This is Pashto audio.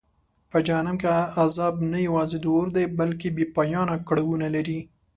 په جهنم کې عذاب نه یوازې د اور دی بلکه بېپایانه کړاوونه لري.